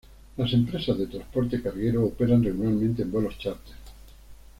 Las empresas de transporte carguero operan regularmente en vuelos chárter.